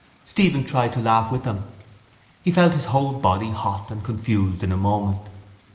Stephen tried to laugh with them. He felt his whole body hot and confused in a moment.